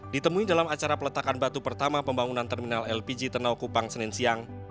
ditemui dalam acara peletakan batu pertama pembangunan terminal lpg ternau kupang senin siang